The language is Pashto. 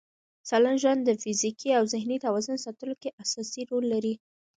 سالم ژوند د فزیکي او ذهني توازن ساتلو کې اساسي رول لري.